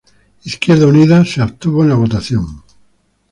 La Izquierda Unida se abstuvo en la votación.